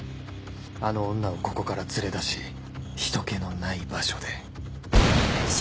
あの女をここから連れ出し人けのない場所で